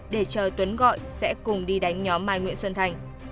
để chờ tuấn gọi sẽ cùng đi đánh nhóm mai nguyễn xuân thành